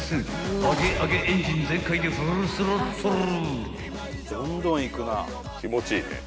［揚げ揚げエンジン全開でフルスロットル］